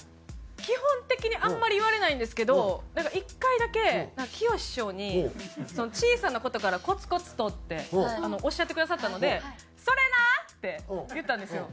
基本的にあんまり言われないんですけど１回だけきよし師匠に「小さな事からコツコツと」っておっしゃってくださったので「それな！」って言ったんですよ。